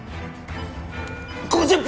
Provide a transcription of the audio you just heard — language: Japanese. ５０分！